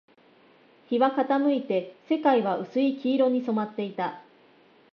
日は傾いて、世界は薄い黄色に染まっていた